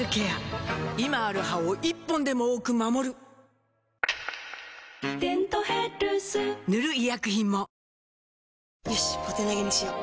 今ある歯を１本でも多く守る「デントヘルス」塗る医薬品も